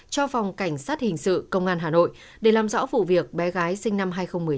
cho phòng cảnh sát hình sự công an hà nội để làm rõ vụ việc bé gái sinh năm hai nghìn một mươi sáu